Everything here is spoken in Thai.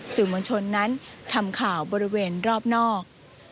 สื่อมวลชนนั้นทำข่าวบริเวณรอบนอก